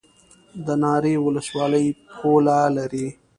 د ناری ولسوالۍ پوله لري